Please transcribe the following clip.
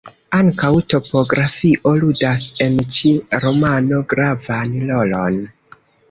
Ankaŭ topografio ludas en ĉi romano gravan rolon.